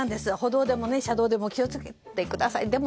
歩道で車道でも気を付けてください。